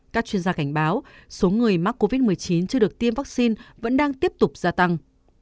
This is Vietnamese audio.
các chuyên gia cảnh báo số người mắc covid một mươi chín chưa được tiêm vaccine vẫn đang tiếp tục gia tăng